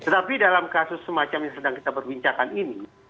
tetapi dalam kasus semacam yang sedang kita perbincangkan ini